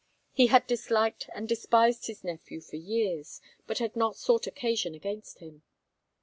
He had disliked and despised his nephew for years, but had not sought occasion against him.